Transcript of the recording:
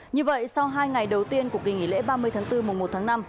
như vậy sau hai ngày đầu tiên của kỳ nghỉ lễ ba mươi tháng bốn mùa một tháng năm